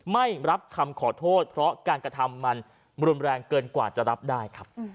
ไม่รับคำขอโทษเพราะการกระทำมันรุนแรงเกินกว่าจะรับได้ครับ